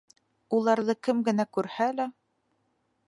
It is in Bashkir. Уларҙы кем генә күрһә лә: